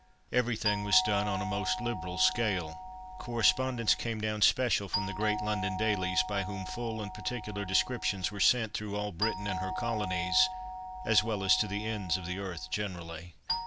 Everything was done on a most liberal scale. Correspondents came down "special" from the great London dailies, by whom full and particular descriptions were sent through all Britain and her colonies, as well as to the ends of the earth generally.